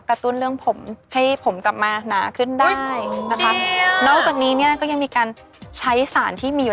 แล้วครับเม่าเนี่ยกรรชากหรือ